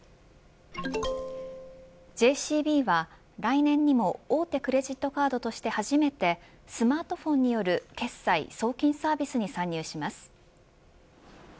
ＪＣＢは、来年にも大手クレジットカードとして初めてスマートフォンによる決済・送金サービスに参入します。